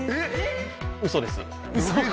うそです。